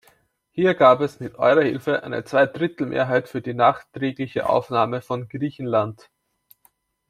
Hier gab es mit Eurer Hilfe eine Zweidrittelmehrheit für die nachträgliche Aufnahme von Griechenland.